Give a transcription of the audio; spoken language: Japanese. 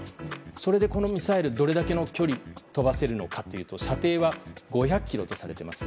それで、このミサイルがどれだけの距離を飛ばせるのかというと射程は５００ｋｍとされています。